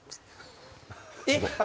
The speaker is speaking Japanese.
えっ？